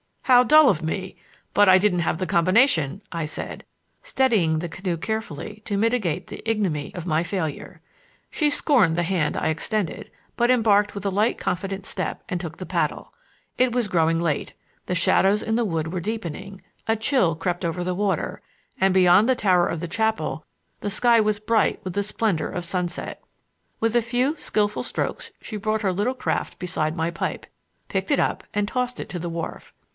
"How dull of me! But I didn't have the combination," I said, steadying the canoe carefully to mitigate the ignominy of my failure. She scorned the hand I extended, but embarked with light confident step and took the paddle. It was growing late. The shadows in the wood were deepening; a chill crept over the water, and, beyond the tower of the chapel, the sky was bright with the splendor of sunset. With a few skilful strokes she brought her little craft beside my pipe, picked it up and tossed it to the wharf.